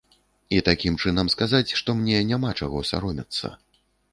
І такім чынам сказаць, што мне няма чаго саромецца.